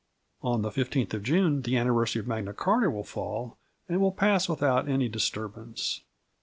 On the 15th of June the anniversary of Magna Charta will fall and will pass without any disturbance.